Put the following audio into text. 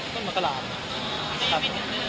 ต้นมะกาลาท